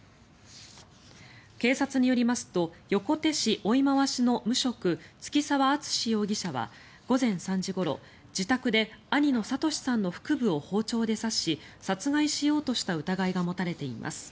警察によりますと、横手市追廻の無職、月澤敦容疑者は午前３時ごろ、自宅で兄の聡さんの腹部を包丁で刺し殺害しようとした疑いが持たれています。